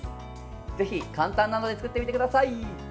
ぜひ簡単なので作ってみてください。